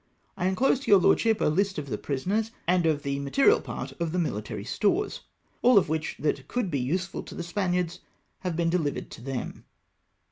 " I enclose to your Lordship a list of the prisoners, and of the material part of the military stores, all of whicli that could be useful to the Spaniards have been delivered to them.